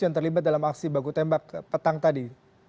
yang terlibat dalam aksi baku tembak petang tadi